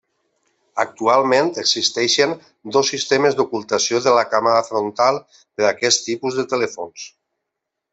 Actualment existeixen dos sistemes d'ocultació de la càmera frontal per aquests tipus de telèfons.